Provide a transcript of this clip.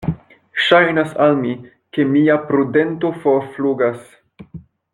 Ŝajnas al mi, ke mia prudento forflugas.